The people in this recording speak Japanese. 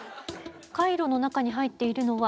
カイロの中に入っているのは